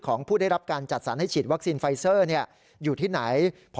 ผู้ได้รับการจัดสรรให้ฉีดวัคซีนไฟเซอร์อยู่ที่ไหน